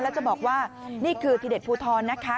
แล้วจะบอกว่านี่คือทีเด็ดภูทรนะคะ